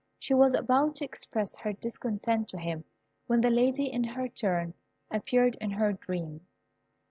She was about to express her discontent to him, when the Lady, in her turn, appeared in her dream.